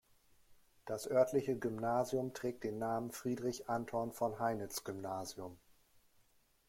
Das örtliche Gymnasium trägt den Namen "Friedrich-Anton-von-Heinitz-Gymnasium".